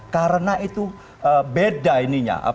karena itu beda ininya